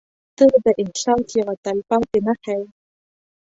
• ته د احساس یوه تلپاتې نښه یې.